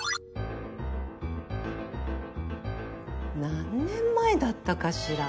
何年前だったかしら。